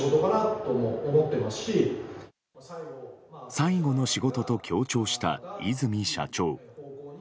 最後の仕事と強調した和泉社長。